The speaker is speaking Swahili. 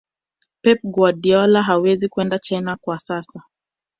pep guardiola hawezi kwenda china kwa sasa